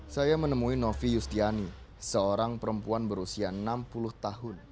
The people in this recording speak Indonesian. saya menemui novi yustiani seorang perempuan berusia enam puluh tahun